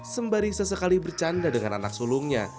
sembari sesekali bercanda dengan anak sulungnya